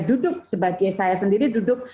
duduk sebagai saya sendiri duduk